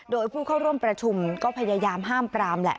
โดยผู้เข้าร่วมประชุมก็พยายามห้ามปรามแหละ